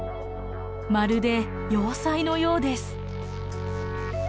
まるで要塞のようです。